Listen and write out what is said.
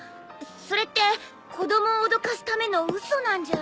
それって子供を脅かすための嘘なんじゃ？